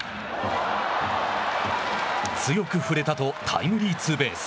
強く振れたとタイムリーツーベース。